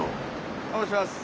お願いします。